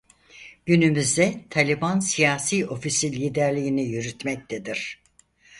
Günümüzde Taliban siyasi ofisi liderliğini yürütmektedir.